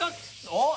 おっ。